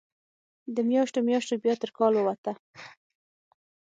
د میاشتو، میاشتو بیا تر کال ووته